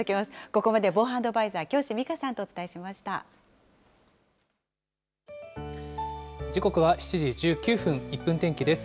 ここまで防犯アドバイザー、京師時刻は７時１９分、１分天気です。